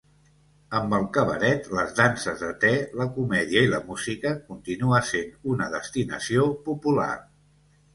Amb el cabaret, les danses de te, la comèdia i la música, continua sent una destinació popular.